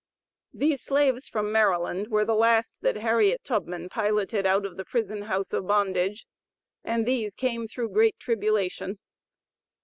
These slaves from Maryland, were the last that Harriet Tubman piloted out of the prison house of bondage, and these "came through great tribulation."